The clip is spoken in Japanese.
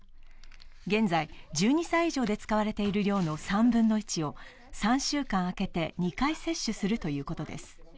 現在１２歳以上で使われている量の３分の１を３週間あけて２回接種するということです。